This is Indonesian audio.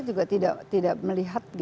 juga tidak melihat